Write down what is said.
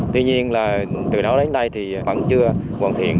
tuy nhiên là từ đó đến nay thì vẫn chưa hoàn thiện